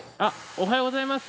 おはようございます。